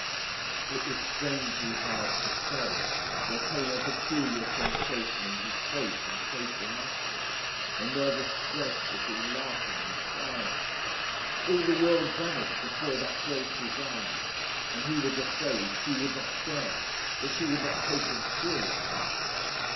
It was strangely hard to say. There came a peculiar sensation in his throat and facial muscles, a nervous stress between laughing and crying. All the world vanished before that great desire. And he was afraid she would not dare, that she would not take him seriously.